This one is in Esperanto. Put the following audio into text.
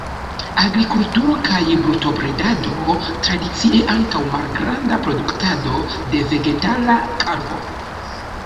Agrikulturo kaj brutobredado tradicie, ankaŭ malgranda produktado de vegetala karbo.